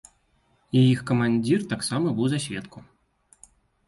І іх камандзір таксама быў за сведку.